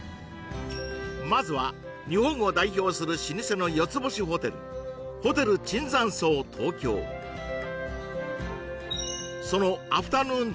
まずは日本を代表する老舗の四つ星ホテルそのアフタヌーン